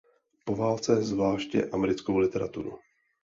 Po válce zvláště americkou literaturu.